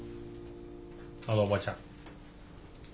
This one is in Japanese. あのおばちゃん。